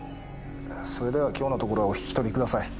それでは今日のところはお引き取りください。